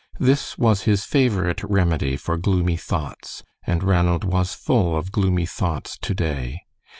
This was his favorite remedy for gloomy thoughts, and Ranald was full of gloomy thoughts to day.